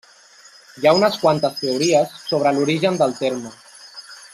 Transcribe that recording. Hi ha unes quantes teories sobre l'origen del terme.